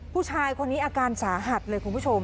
ผู้ชายคนนี้อาการสาหัสเลยคุณผู้ชม